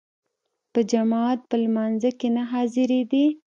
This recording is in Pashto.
په جماعت په لمانځه کې نه حاضرېدی.